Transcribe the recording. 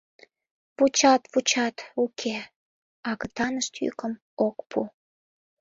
Вучат-вучат — уке, агытанышт йӱкым ок пу.